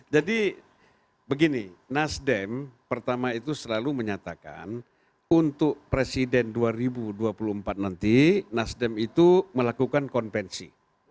jadi begini nasdem pertama itu selalu menyatakan untuk presiden dua ribu dua puluh empat nanti nasdem itu melakukan konvensi